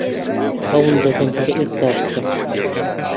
هەوڵ دەدەم هەر ئێستا بچم